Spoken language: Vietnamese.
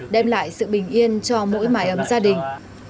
đem lại sự bình yên cho mỗi mái ấm gia đình